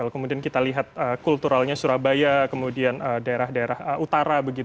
kemudian kita lihat kulturalnya surabaya kemudian daerah daerah utara